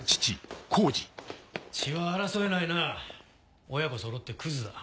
血は争えないな親子そろってクズだ。